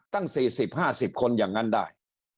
ตั้ง๔๐๕๐คนอย่างนั้นได้